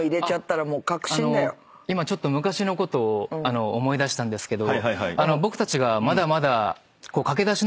今ちょっと昔のことを思い出したんですけど。